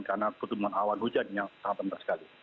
karena pertumbuhan awan hujan yang sangat pentas sekali